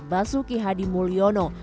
basuki hadi mulyono